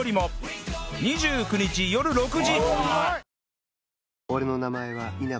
２９日よる６時